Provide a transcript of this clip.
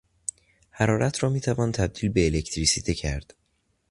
حرارت را میتوان تبدیل به الکتریسته کرد.